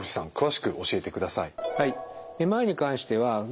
はい。